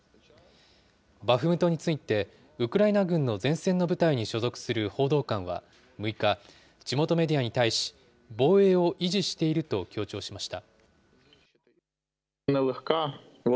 バフムトについて、ウクライナ軍の前線の部隊に所属する報道官は６日、地元メディアに対し、防衛を維持していると強調しました。